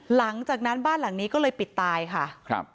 หลังจากนั้นบ้านหลังนี้ก็เลยปิดตายค่ะครับ